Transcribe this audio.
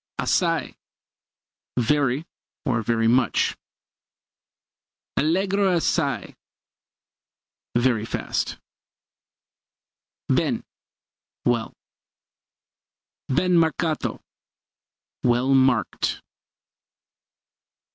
Assai very, or very much. Allegro assai very fast. Ben well. Ben marcato well marked.